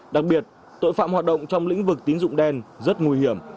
đặc biệt tội phạm hoạt động trong lĩnh vực tín dụng đen rất nguy hiểm